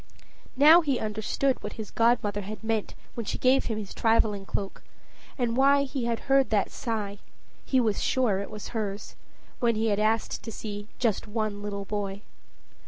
Now he understood what his godmother had meant when she gave him his traveling cloak, and why he had heard that sigh he was sure it was hers when he had asked to see "just one little boy."